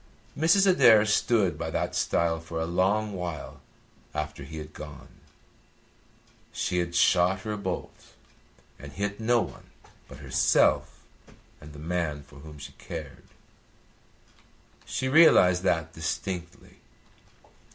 Mrs. Adair stood by that stile for a long while after he had gone. She had shot her bolt and hit no one but herself and the man for whom she cared. She realised that distinctly.